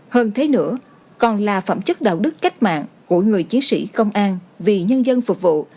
hơn thế nữa còn là phẩm chất đạo đức cách mạng của người chiến sĩ công an vì nhân dân phục vụ